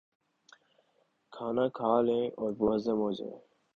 کھانا کھا لیں اور وہ ہضم ہو جائے۔